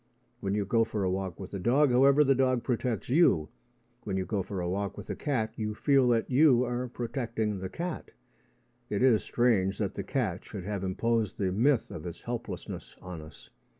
When you go for a walk with a dog, however, the dog protects you: when you go for a walk with a cat, you feel that you are protecting the cat. It is strange that the cat should have imposed the myth of its helplessness on us.